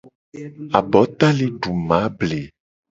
Abota le du mable.